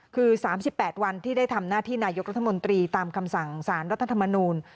คือ๓๘วันที่ได้ทำหน้าที่นายกรัฐมนตรีตามคำสั่งสารรัฐธรรมนูล